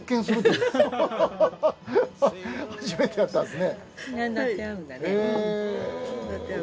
初めてやったんすね。